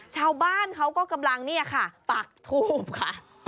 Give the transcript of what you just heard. ชาวบ้านเขาก็กำลังเนี่ยค่ะปักทูบค่ะ